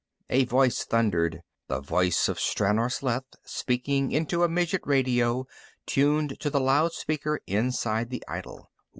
_" a voice thundered the voice of Stranor Sleth, speaking into a midget radio tuned to the loud speaker inside the idol.